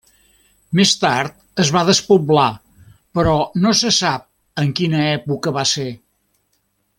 Més tard es va despoblar però no se sap en quina època va ser.